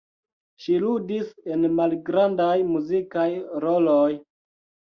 Ŝi ludis en malgrandaj muzikaj roloj.